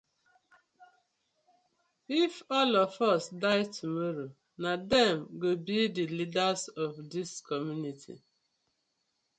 If all of us die tomorrow, na dem go bi the leaders of dis community.